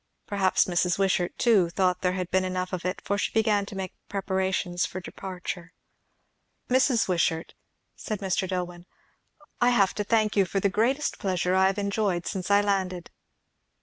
Perhaps Mrs. Wishart too thought there had been enough of it, for she began to make preparations for departure. "Mrs. Wishart," said Mr. Dillwyn, "I have to thank you for the greatest pleasure I have enjoyed since I landed."